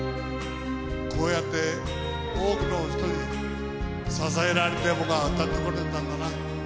こうやって、多くの人に支えられて、歌ってこれるなんてな。